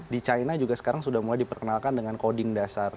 di china juga sekarang sudah mulai diperkenalkan dengan coding dasar